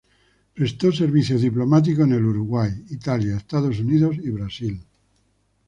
Prestó servicios diplomáticos en el Uruguay, Italia, Estados Unidos y Brasil.